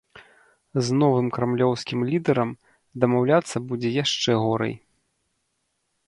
З новым крамлёўскім лідэрам дамаўляцца будзе яшчэ горай.